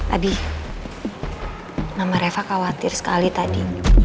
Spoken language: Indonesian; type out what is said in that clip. abi mama reva khawatir sekali tadi